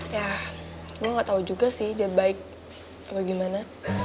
ya gue gak tau juga sih dia baik apa gimana